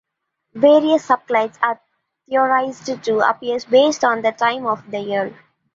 Various subclades are theorized to appear based on the time of year.